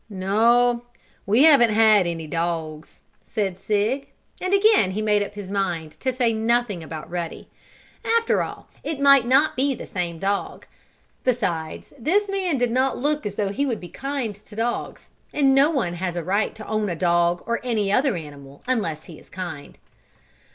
"No, we haven't any dogs," said Sig. And again he made up his mind to say nothing about Ruddy. After all it might not be the same dog. Besides, this man did not look as though he would be kind to dogs, and no one has a right to own a dog, or any other animal, unless he is kind.